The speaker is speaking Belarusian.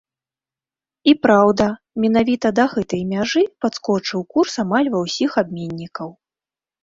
І праўда, менавіта да гэтай мяжы падскочыў курс амаль ва ўсіх абменнікаў.